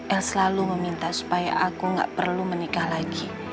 yang selalu meminta supaya aku gak perlu menikah lagi